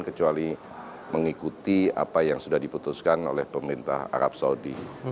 kecuali mengikuti apa yang sudah diputuskan oleh pemerintah arab saudi